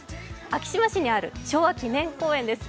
昭島市にある昭和記念公園です。